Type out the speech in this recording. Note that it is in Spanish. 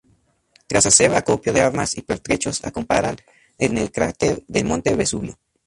Tras hacer acopio de armas y pertrechos, acamparon en el cráter del monte Vesubio.